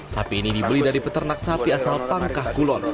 sapi ini dibeli dari peternak sapi asal pangkah kulon